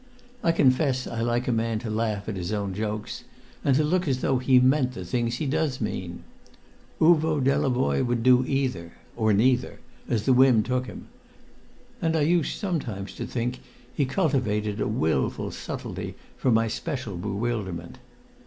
I confess I like a man to laugh at his own jokes, and to look as though he meant the things he does mean. Uvo Delavoye would do either or neither as the whim took him, and I used sometimes to think he cultivated a wilful subtlety for my special bewilderment.